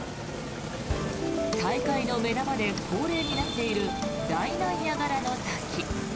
大会の目玉で、恒例になっている大ナイアガラの滝。